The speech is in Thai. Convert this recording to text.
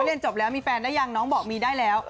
แต่ว่าเล่นจบแล้วมีแฟนได้ยังน้องบอกมีได้แล้ว